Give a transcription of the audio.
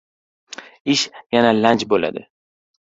Ish yana lanj bo‘ladi.